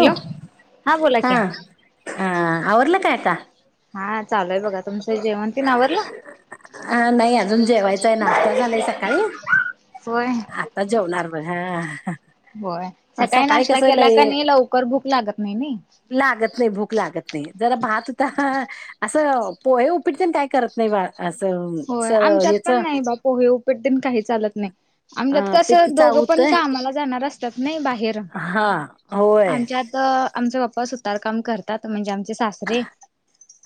हो बोला की हा ह आवरला काय आक्का? हा चालूय बघा तुमचं जेवण तेन आवरलं? हा नाही अजून जेवाय चय नाश्टा झालंय सकाळी होय आता जेवणार बघ ह होय, सकाळी नाश्ता केला का नाही लवकर भूक लागत नाही नई. लागत नाही भूक लागत नाही जरा भात होता असं पोहे उपीटतेन काय करत नाही बाळ. असं स होय आमच्यात ह्याच पण नाही बा पोहे उपीट तेन काही चालत नाही आमच्यात पित्त कसं दोघं पण चावतंय का माला जाणार असतात नाही बाहेर हा होय आमच्यात आमचे पप्पा सुतारकाम करतात म्हणजे आमचे सासरे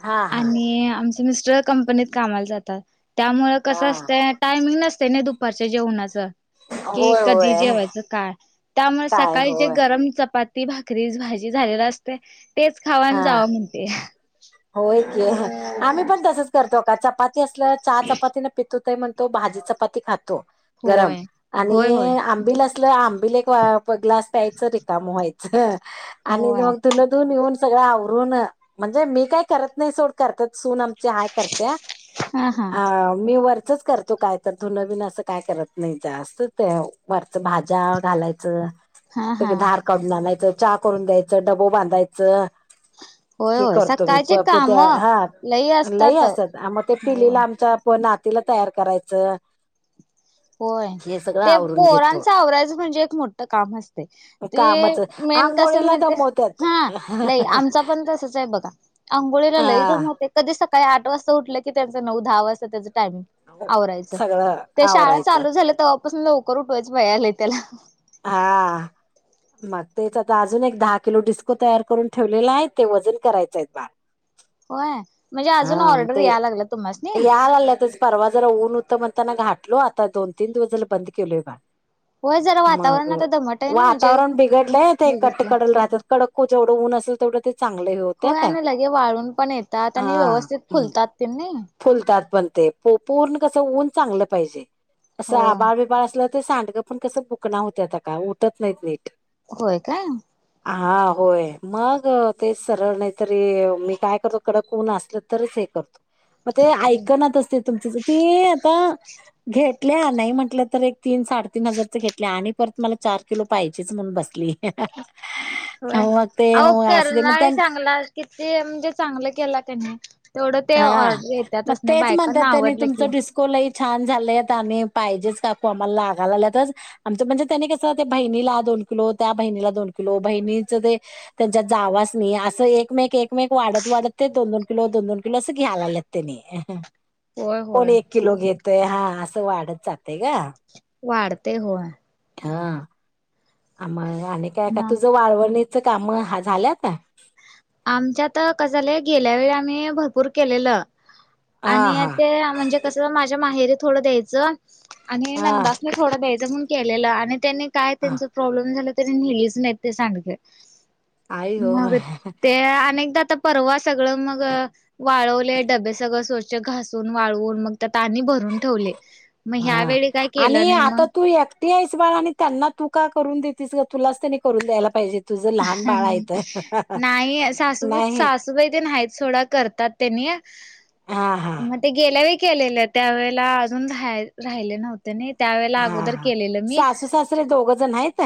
हा हा आणि आमचे मिस्टर कंपनीत कामाला जातात त्यामुळे हा कसं असतं टायमिंग नसते नाही दुपारच्या जेवणाच कि होय कधी होय जेवायच काय त्यामुळे काय सकाळी जे होय गरम चपाती ती भाकरी, भाजी झालेला असते तेच खावा अन् हा जावा म्हणते. होय की आम्ही पण तसंच करतो का चपाती असलं चहा चपातीने पित्त होतंय म्हणतो भाजी चपाती खातो गरम होय होय होय आणि आंबिल असलं आं बिल एक ग्लास प्यायच रिकामं व्हायच आणि होय म धुंनं धुन येऊन सगळ आवरून म्हणजे मी काही करत नाही सोड करत्यात सुन आमची हाय करत्या, हा हा अ मी वरचच करतो काय तर धुनं असं काय करत नाही जास्त ते वरच भाज्या घालायचं हा हा धार काढून आणायचं, चा करून द्यायचं, डबं बांधायचं. होय हे होय करतो मी सकाळची प काम हा लई असत्यात मग ते होय पिलीला आमचा पण ना तीला तयार करायचं. होय हे सगळं ते आवरून घेतो पोरांच आवरायचं म्हणजे एक मोठं काम असतंय ते कामच मेन कशाला आंघोळीला म्हणतेस दमवत्यात हा लय हा आमचा पण तसच आहे बघा अंघोळीला लई हा दमवतोय, कधी स काळी आठ वाजता उठलं की त्यांच नऊ- दहा वाजत्यात त्याच टायमिंग आवरायच, सगळं ते शाळा आवरायचं चालू झालं तेव्हापासून लवकर उठवायचं पाया आलंय त्याला हा. मग तेच आता अजून एक दहा किलो डिस्को तयार करून ठेवलेला आहे ते वजन करायच आहेत बार होय. म्हणजे अजून हा मग ऑर्डर ते याय लागला तुम्हासनी यालाल्या त्या परवा जरा होऊन होत मग ना घटलो आता दोन तीन दिवस बंद केलोय बा होय जरा मग वातावरण आता दमट आहे ना म्हणजे वातावरण बिघडलंय ते कट्ट बिघडलंय कडल राहतात कडक को जवढं ऊन असल तेवढंच हो आणि लगे वाळून पण येतात आणि हा व्यवस्थित फुलतात त्यांनी फुलतात पण ते पूर्ण कस ऊन चांगलं पाहिजे असं हो आबाळ बिबाळ असलं ते सांडगं पण कसं बुकणा होत्या आता का उठत नाहीत नीट होय का हा होय मग तेच सरळ नाहीतरी मी काय करतो कड कोण असल तरच मग ते ऐक असते तुम ते आ घेतल्या नाही म्हटलं तर एक तीन साडेतीीन हजारच घेतल्या आणि परत मला चार किलो पाहिजेच म्हणून बसले [inaudible] होय आओ दे मग त्यां कर्नाळी चांगला किती म्हणजे चांगलं केला त्यांनी हा मग तेच म्हणतात बायकांना त्यांनी आवडलं तुमच की डिस्को लई छान झालेत आणि पाहिजेच काकू आम्हाला लागाला लातच आमचं म्हणजे त्याने कस बहिणीला ोन किलो त्या बहिणीला दोन किलो बहिणीच ते त्यांच्यात जावच नाही अस एकमेक एकमेक वा वाढत वाढत ते दोन दोन कीलोना अस घ्यालालंत त्यानी होय कोण होय एक किलो घेतय हा असं वाढत जात वाढते हो आहे हा आम आणि काय का मग तुझं वाळवणीच काम हा झाल्यात आमच्यात कस झालंय गेल्या वेळी आम्ही भरपूर केलेलं हा आणि हा ते म्हणजे कस माझ्या माहेरी थोडं द्यायचं आणि हा नंदासने थोडं द्यायचं म्हणून केलेलं आणि त्यांनी काय हा त्यांच प्रॉब्लेम झा इ हिल्स एेत सडक [inaudible] आयो ते अनेकदा आता परवा सगळं मग वाळवले डबे सगळं सो घासून वाळवून मग तर तनी भरून ठेवले मग ह्या वेळी काय केलं नाही मग स बा आणि त्यांना तू का करून देेतस का तुलाच त्यांनी करून द्यायला पाहिजे तुझ लहान बाळ आहे तर नाही सासूबाई नाही सासूबाई ते नाहीत थोडा करतात त्यांनी हा हा मग ते गेल्या व केलेलं त्यावेेळेला अजून रा राहिले नव्हते त्यांनी त्यावेेळेला हा अगोदर हा केलेलं मी सासू सासरे दोघ जण आहेत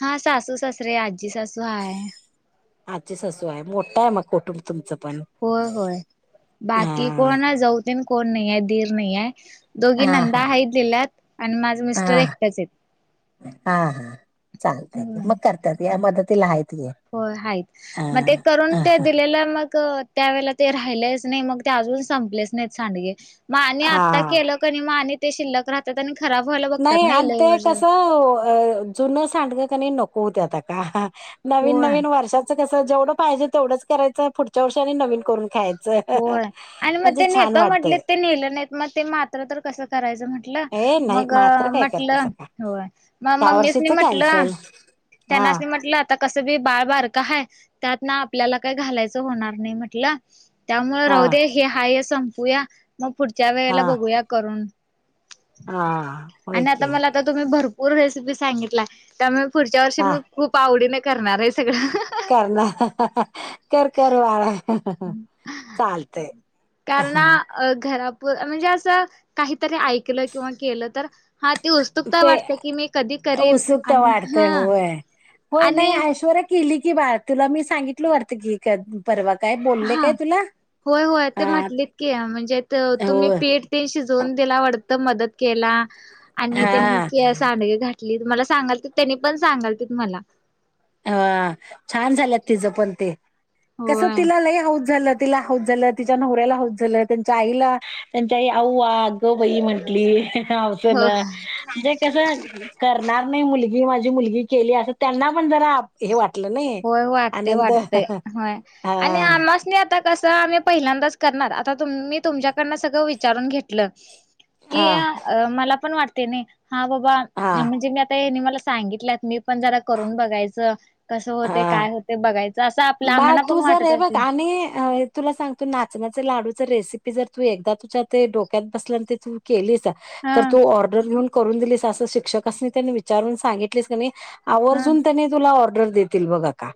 हा सासू सासरे अज आजी सासू आहे मोठा आहे मग कुटुंब तुमचं पण होय होय बाकी हा कोण जाऊते कोण नाही आहे धीर नाही आहे दोघी हा नंदा हा आहेत लिहिल्यात आणि माझ मिस्टर हा एकट्याच आहेत चालते मग करतात या मदतीला आहे हो हा मग ते करून हा ते दिलेलं मग त्यावेेळेला ते राहिलेच नाही मग ते अजून संपलेच नाहीत सांडगे माने आत्ता हा. केलं क नाही आणि माने ते शिल्लक राहतात आणि खराब व्हायला बघतात नाही आणि लई ते वर्ष कसं जुनं सांडगं कणी नकोत आता का नवीन होय नवीन वर्षाचं कसं जेवढं पाहिजे तेवढंच करायचं पुढच्या वर्षानी नवीन करून खायचं होय आणि मग म्हणजे ते छान नेता म्हटले वाटतय ते नेलं नाहीत मग ते मात्र तर कसं करायचं म्हट हे म्हटलं नाही मग मात्र काय करते म्हटलं सका होय मग त्या मम्मीचनी वर्षीच म्हटलं कॅन्सल हा त्यांनाच मी म्हटलं आता कसं बी बाळबार का हय त्यात ना आपल्याला काही घालायचं होणार नाही म्हटलं त्यामुळे हा राहु दे हे हायस् संपूया मग पुढच्या हा वेळेला बघूया करून हा होय आणि आता की मला आता तुम्ही भरू पूर्ण रेसिपी सांगितला त्यामुळे पुढच्या वर्षी मी खूप आवडीने करणार आहे सगळं करला कर करवाा कारणा घरा म्हणजे असं काहीतरी ऐकलं किंवा केलं तर हा ती उत्सुकता ते वाटते की मी कधी करीन उत्सुकता आणि वाढते हा होय. होय आणि नाही ऐश्वर केली की बा तुला मी सांगितल वारत की परवा का बोलले हा काय तुला होय होय ते हा म्हटलेत की म्हणजे हो तुम्ही पेठ ते शिजवून दिला आ मदत केला आणि हा त्यांनी क सड घ मला सांगाल त्यानी पण सांगाल मला अ छान झाल्यात तिचं पण ते कस होय तिला लई हऊस झालं तिला होत झालं तिच्या नवऱ्याला होत झालं त्यांच्या आईला त्यांच्याई आऊग बाई म्हंटली हवं ना हो म्हणजे कस करणार नाही मुलगी माझी मुलगी केली असं त्यांना ण ज वाट होय वाटते वाटतेय होय हा आणि आमास नाही आता कसं आम्ही पहिल्यांदाच करणार आता तुम्ी तुमच्याकडन सगळं विचारून घेतलं कि हा मला पण वाटते नाही हा बाबा हा म्हणजे मी आता हे नि सांगित मी पण जरा करून बघायच कस होते हा काय होते बघाय बा तू जर आहे बघ आणि तुला सांगतो नाचण्याचे लाडू त त बर् श विचून हा सित हा आवर्ून त्यांनी तु ऑर्डर देतील बघा का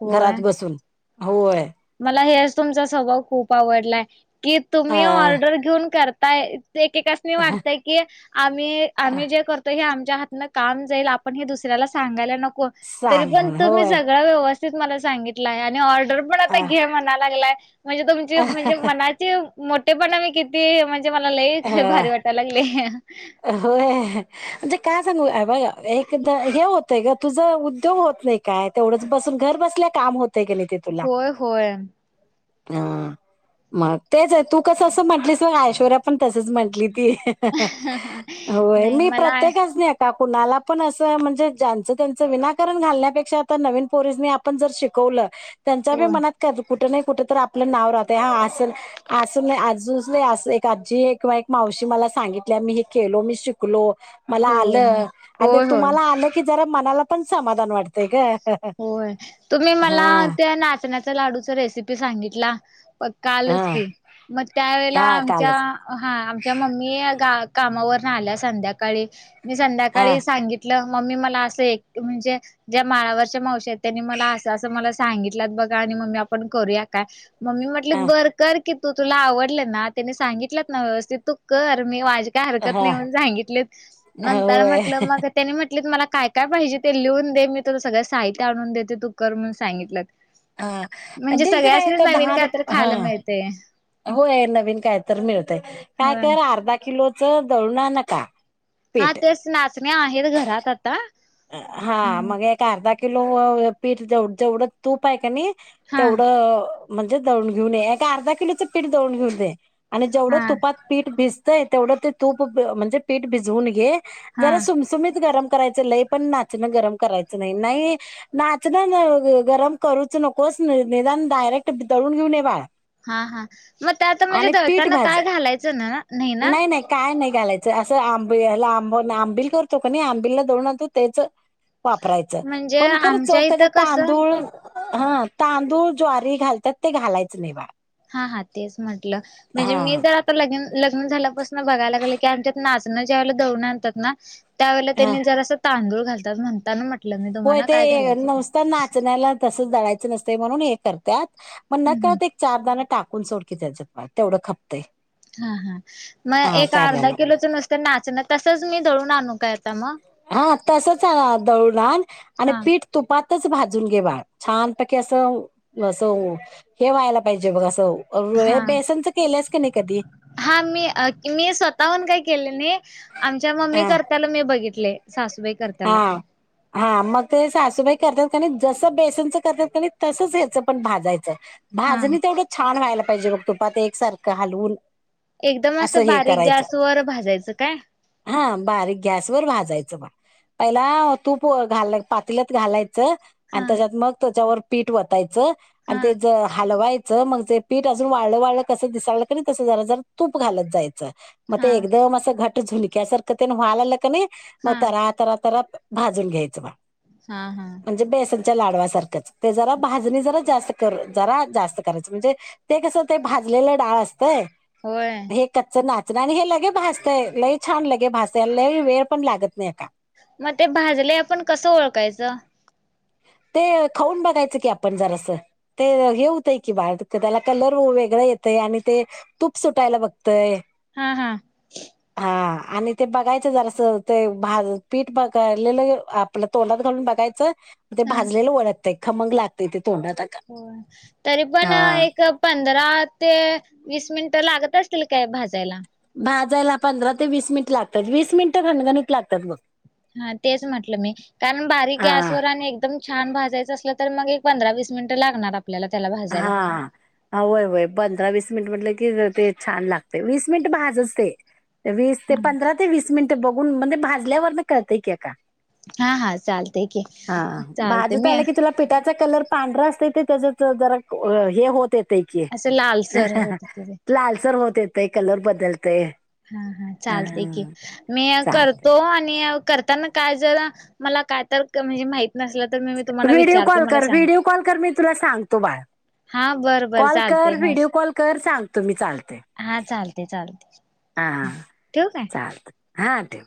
होय. घरात बसून होय मला हे तुमचा स्वभाव खूप आवडलाय की तुम्ही अ ऑर्डर घेऊन करताय ते एकेकासनी वाटतय की आम्ही आम्ही जे करतो हे आ दा नकण त स सांग म्हण होय व मला सांगितलं आहे आणि ऑर्डर पण आता अ घे म्हणा लागलाय. म्हणजे तुमचे अ म्हणजे मनाचे मोठेपणा मी किती म्हज म्हे मला लई भारी वाटायला लागले होय म्हणजे काय सांगू एकदा हे होतय का तुझ उद्योग होत नाही काय तेवढंच बस घर बसल्या काम हो होय होय हा मग तेच आहे तू कसं असं म्हंटलीस मग ऐश्वर्या पण तसच म्हंटली ती होय नाही मी मला प्रत्येकाच न का कुणाला पण असं म्हणजे ज्यांचं त्यांच विनाकारण घालण्यापेक्षा आ नवीन पोरजनी आपण जर शिकवलं त्यांच्या बी होय मनात कर कुठं नाही कुठं तर आपलं नाव राहतय हा असल असं नाही आज नाही अस आजी आहे किंवा एक माव म सांगित मी खलो मी शिकलो म होय आ होय होय. तुम्हाला आ क ज मनाला पण समाधान वाटतय का होय तुम्ही मला त्या नाचण्याचा लाडूचा रेसिपी सांगितला प का हा आलच की मग त्या वेळेला हा आमच्या कालच हा आमच्या मम्मी गा कामावर आल्या संध्याकाळी मी हा संध्याकाळी सांगितलं मम्मी मला अस एक म्हणजे ज्या माळावरच्या मावश आहेत त्यांनी मला असं अस मला सांगितलात बघा आणि मम्मी आपण करूया काय मम्मी म्हटलं हा बर तू तुला आव ना सांगितलं ना व्यवस्ित तू कर का हरकत हा नाहीण सांगितले नंतर होय म्हटलं मग त्यानी म्ह मला काय काय पाहिजे ते लिहून दे मी तु सगळं साहित्य आणून देते तू कर म्हणून सांगितलं हा क म्हणजे काय येत सगळ्यासनीच नवीन दहा काय तर रुप हा खायला मिळते होय नवीन काय तर मिळतय काय होय कर अर्धा किलोच दळणार नका हा पीठ तेच नाचण्या आहेत घरात आ हा मग एक अर्धा किलो पीठ जेवढं तूप आहे का नाही हा तेवढं म्हणजे दळून घेऊन ये ए अर्धा किलोचं पीठ दवून घेऊन दे आणि जेवढं हा तुपात पीठ भिजतंय तेवढं ते तूप म्हणजे पीठ भिजवून घे हा जरा सुमसुमीत गरम करायच लय पण नाचण गरम करायचं नाही नाही नाचण गरम करूच नकोस पण डायरेट दळून घेऊन ये बाळ हा हा मग त्यात म्हणजे आणि पीठ दळताना भाज काय घालायचं ना नाही ना नाही काय नाही घालायचं असं आंबला आंब आंबिल करतो का नाही आंबिला दळून आणतो ना तेच वापरायचं म्हणजे पण खर आमच्या चौक इथं त्याच्यात कसं तांदूळ हा तांदूळ ज्वारी घालतात ते घालायच नाही बाळ हा हा तेच म्हटलं म्हणजे मी जर आता लगीन लग्न झाल्यापासून बघायला लागलं की आमच्यात नाचणं जेवला दळून आणतात ना त्यावेळेला हा तेनी जरासं तांदूळ घालतात म्हणताना म्ह हो ते नुसत नाचण्याला तसच दळायचं नसते म्हणून हे करत मग हम्म हम्म नकळत एक चारदाण टाकून सोडकी त्याच्यात बाळ तेवढं खपतंय हा हा मग हा एक चार दाणं अर्धा किलोचं नुसत नाचणं तसच मी दळून आणू काय आता मग हा तसच आ दळून आण आणि हा पीठ तुपात च भाजून घे बाळ छानपैकी असं असं हे व्हायला पाहिजे बघ असं र हा बेसनचं केलंस की नाही कधी हा मी मी स्वतःहून काय केले नाही आमच्या मम्मी हा करत्याला मी बघितले सासूबाई करताला हा हा मग ते सासूबाई करतात जस बेसनच करतात तसच ह्याच पण भाजायचं हा भाजणी तेवढं छान व्हायला पाहिजे बघ तुपात एकसारखं हलवून एकदम असं हे बारीक करायचं गॅसवर भाजायचं काय हा बारीक गॅसवर भाजायचं बा पहिला तूप घाल पातील्यात घालायचं आणि हा त्याच्यात मग त्याच्यावर पीठ वतायचं आणि हा ते ज हलवाय मग ते पीठ अजून वाळलं वाळलं कसं दिसालं करी तसं जरा जरा तूप घालत जायं मग हा ते एकदम अस घट झुणक्या सारखं व्हालालं का कणी मग हा तरातरा तर भाजून घ्यायचं बाळ हा हा लाडवा सारखंच जरा भाजणी जरा जास्त जरा जास्त करायच म्हणजे ते कसं भाज भिजलेलं डाळ असत होय हे कच्च आणि हे लगे भासतय लई छान लगे भासतय लई वेळ पण लागत नाही का मग ते भाजले आपण कसं ओळखायचं ह ते खाऊन बघायचं की आपण जरासं ते हे होते की बाल त्याला कलर वेगळं येत हे आणि ते तूप सुटायला बघतय हा हा. हा आणि ते बघायचं जरास ते भा पीठ बघालेलं आपलं तोंडात घालून बघायचं ते हा भाजलेले ओळखते खमक लागतेय ते तोंडात हो तरी पण हा एक प पंधरा ते वीस मिनिट लागत असतील काय भाजायला भाजायला पंधरा ते वीस मिनिट लागतात वीस मिनिटं घनगणित लागतात ब हा तेच म्हटलं मी कारण बारीक हा गॅसवर आणि एकदम छान भाजायचं असलं तर मग एक पंधरा वीस मिनिट लागणार आप हा वय वय पंधरा वीस मिनिट म्हटलं की ते छान लागत वीस मिनिट भाजच ते वीस ते पंधरा ते वीस मिनिट ते बघून म्हणजे भाजल्यावरन कळतय की आत्ता हा हा चालतय की. हा चालते भाजत मी आलं की तुला पिठाचा कलर पांढरा असत ते त्यातच जरा हे होत ते की असं लालसर होत ते लालसर होत येतय कलर बदलतय हा हा अ चालते की मी चालतय. करतो आणि करताना काय जरा मला काय तर कमी माही व्हिडिओ कॉल कर व्हिडिओ कॉल कर मी तुला सांगतो बाळ हा बरं बरं कॉल चालते कर मग व्हिडिओ कॉल कर सांग तो मी चालतय हा चालतेय चालते. हा ठेवू काय? चालत हा ठेव.